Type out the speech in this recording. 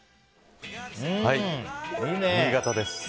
新潟です。